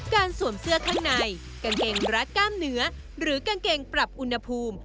สวมเสื้อข้างในกางเกงรัดกล้ามเนื้อหรือกางเกงปรับอุณหภูมิ